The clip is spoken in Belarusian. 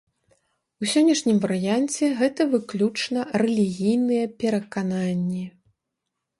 У сённяшнім варыянце гэта выключна рэлігійныя перакананні.